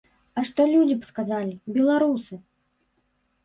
А што людзі б сказалі, беларусы?